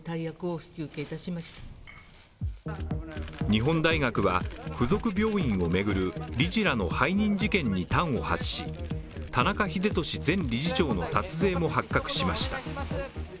日本大学は、付属病院を巡る理事らの背任事件に端を発し田中英寿前理事長の脱税も発覚しました。